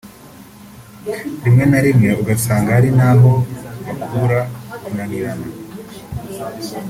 rimwe na rimwe ugasanga ari naho bakura kunanirana